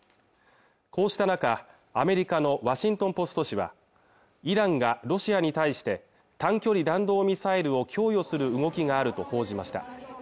こうした中アメリカの「ワシントン・ポスト」紙はイランがロシアに対して短距離弾道ミサイルを供与する動きがあると報じました